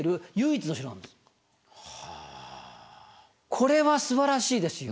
これはすばらしいですよ。